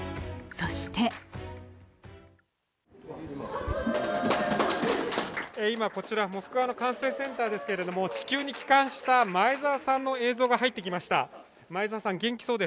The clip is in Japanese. そして今こちら、モスクワの管制センターですけれども地球に帰還した前澤さんの映像が入ってきました。